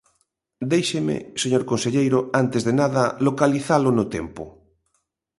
Déixeme, señor conselleiro, antes de nada, localizalo no tempo.